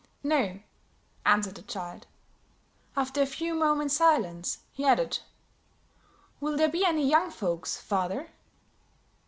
"No," answered the child. After a few moments' silence, he added: "Will there be any young folks, father?"